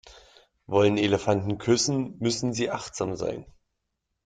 Wollen Elefanten küssen, müssen sie achtsam sein.